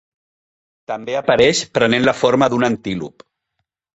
També apareix prenent la forma d'un antílop.